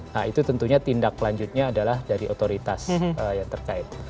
nah itu tentunya tindak lanjutnya adalah dari otoritas yang terkait